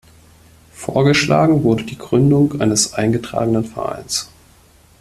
Vorgeschlagen wurde die Gründung eines eingetragenen Vereins.